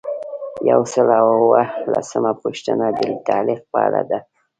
یو سل او اووه لسمه پوښتنه د تعلیق په اړه ده.